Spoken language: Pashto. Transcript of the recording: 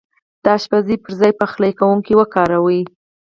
د اشپز پر ځاي پخلی کونکی وکاروئ